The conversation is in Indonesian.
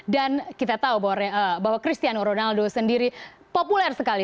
dan kita tahu bahwa cristiano ronaldo sendiri populer sekali